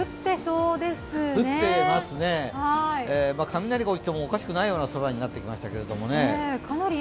雷が落ちてもおかしくないような空になってきましたけど。